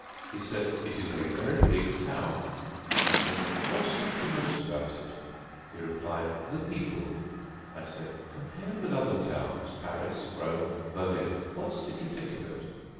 He said: "It is a very big town." I said: "What struck you most about it?" He replied: "The people." I said: "Compared with other towns Paris, Rome, Berlin, what did you think of it?"